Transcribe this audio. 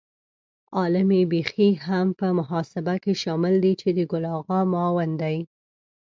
عالمي بلخي هم په محاسبه کې شامل دی چې د ګل آغا معاون دی.